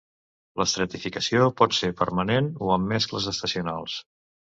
L'estratificació pot ser permanent, o amb mescles estacionals.